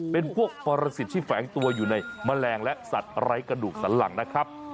เป็นพวกปรสิทธิ์ที่แฝงตัวอยู่ในแมลงและสัตว์ไร้กระดูกสันหลังนะครับ